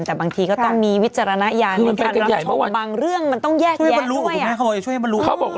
แต่บางทีก็ต้องมีวิจารณญาณบางเรื่องมันต้องแยกแยะด้วย